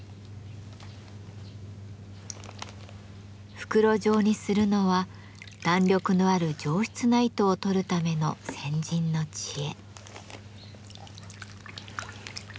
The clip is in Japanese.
袋状にするのは弾力のある上質な糸をとるための先人の知恵。